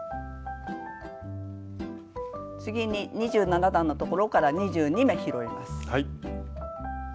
次に２７段のところから２２目拾います。